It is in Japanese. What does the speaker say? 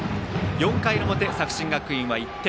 ４回の表、作新学院は１点。